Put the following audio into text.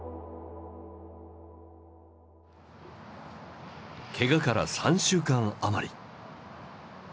けがから３週間余り。